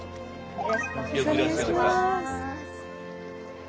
よろしくお願いします。